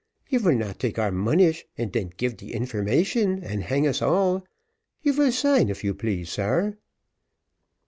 "You vill not take our monish and den give de information, and hang us all. You vill sign, if you please, sare."